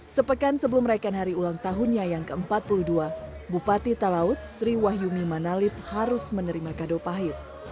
sepekan sebelum raikan hari ulang tahunnya yang ke empat puluh dua bupati talaut sri wahyumi manalip harus menerima kado pahit